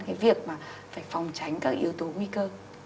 cái việc mà phải phòng tránh các yếu tố nguy cơ